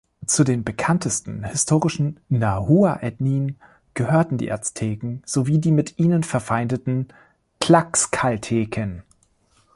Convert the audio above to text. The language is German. Zu den bekanntesten historischen Nahua-Ethnien gehörten die Azteken sowie die mit ihnen verfeindeten Tlaxcalteken.